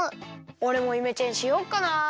おれもイメチェンしよっかな。